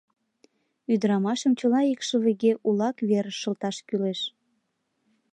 Ӱдырамашым чыла икшывыге улак верыш шылташ кӱлеш.